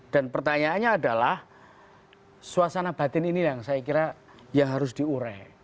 dan pertanyaannya adalah suasana batin ini yang saya kira yang harus diureh